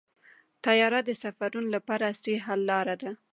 طیاره د سفرونو لپاره عصري حل لاره ده.